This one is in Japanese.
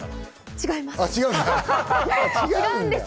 違います。